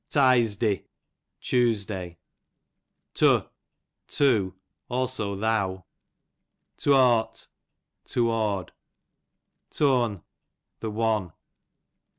Tizeday, Tuesday. To, too; also thou. Toart, toward. Tone, the one.